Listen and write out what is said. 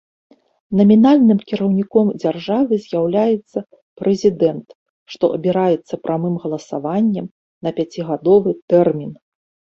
Намінальным кіраўніком дзяржавы з'яўляецца прэзідэнт, што абіраецца прамым галасаваннем на пяцігадовы тэрмін.